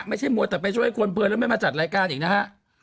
มัวแต่ไปช่วยคนเพลินแล้วไม่มาจัดรายการอีกนะฮะ